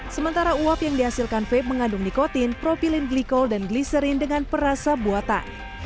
sementara uap yang dihasilkan vape mengandung nikotin propilin glikol dan gliserin dengan perasa buatan